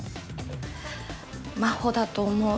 真帆だと思う。